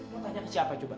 mau tanya ke siapa coba